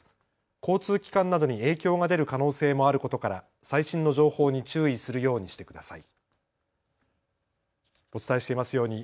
交通機関などに影響が出る可能性もあることから最新の情報に注意するようにしてください。